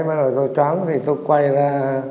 bắt đầu tôi tróng thì tôi quay ra